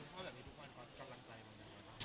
ประจำทุกวันก็กำลังใจของการตัว